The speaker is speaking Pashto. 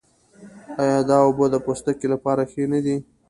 آیا دا اوبه د پوستکي لپاره ښې نه دي؟